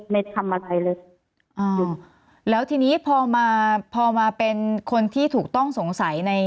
ไม่ทำอะไรเลยอ่าแล้วทีนี้พอมาพอมาเป็นคนที่ถูกต้องสงสัยใน